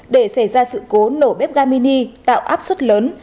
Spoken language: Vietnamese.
để xảy ra sự cố nổ bếp ga mini tạo áp suất lớn